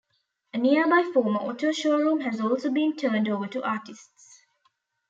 A nearby former auto showroom has also been turned over to artists.